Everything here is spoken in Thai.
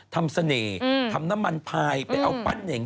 เสน่ห์ทำน้ำมันพายไปเอาปั้นเน่ง